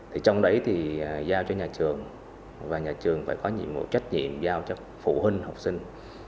thì trong đấy thì giao cho nhà trường và nhà trường phải có nhiệm vụ trách nhiệm giao cho phụ huynh học sinh